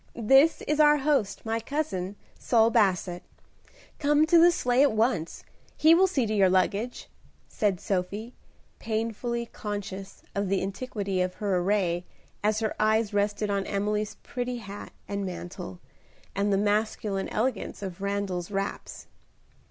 This is our host, my cousin, Saul Basset. Come to the sleigh at once, he will see to your luggage," said Sophie, painfully conscious of the antiquity of her array as her eyes rested on Emily's pretty hat and mantle, and the masculine elegance of Randal's wraps.